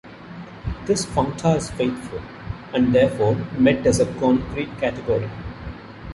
This functor is faithful, and therefore Met is a concrete category.